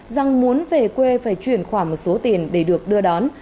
rằng muốn về quê phải chuyển khoản một số tiền để được đưa đón